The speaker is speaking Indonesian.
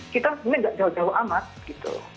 kita sebenarnya nggak jauh jauh amat gitu